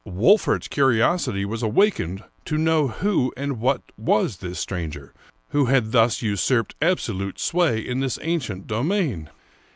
Wolfert's curiosity was awakened to know who and what was this stranger who had thus usurped absolute sway in this ancient domain.